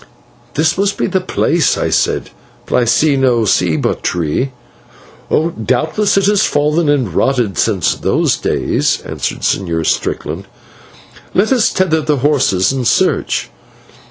"This must be the place," I said, "but I see no /ceiba/ tree." "Doubtless it has fallen and rotted since those days," answered the Señor Strickland. "Let us tether the horses and search."